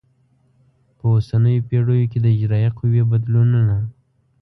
په اوسنیو پیړیو کې د اجرایه قوې بدلونونه